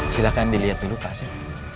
silahkan dilihat dulu pak asif